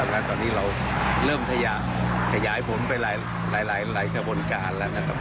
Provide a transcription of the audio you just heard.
และตอนนี้เราเริ่มขยายผลไปหลายขบวนการแล้วนะครับ